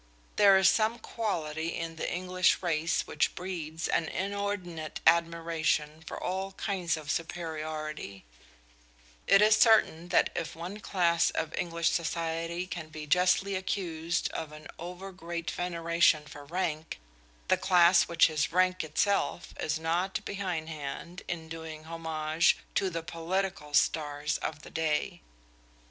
There is some quality in the English race which breeds an inordinate admiration for all kinds of superiority: it is certain that if one class of English society can be justly accused of an over great veneration for rank, the class which is rank itself is not behindhand in doing homage to the political stars of the day.